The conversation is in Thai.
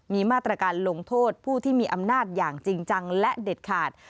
มีมาตรการลงโทษผู้ที่มีอำนาจอย่างจริงจังและเด็ดขาด